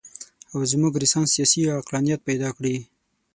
او زموږ رنسانس سیاسي عقلانیت پیدا کړي.